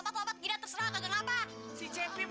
beli baju lebaran cepi